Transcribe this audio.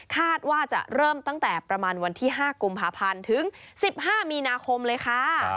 คาดว่าจะเริ่มตั้งแต่ประมาณวันที่๕กุมภาพันธ์ถึง๑๕มีนาคมเลยค่ะ